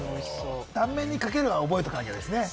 断面にかけるは、覚えとかなきゃですね。